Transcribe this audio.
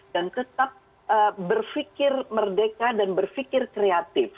dan tetap berfikir merdeka dan berfikir kreatif